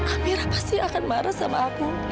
amira pasti akan marah sama aku